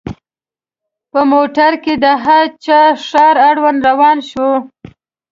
په موټر کې د هه چه ښار اړوند روان شوو.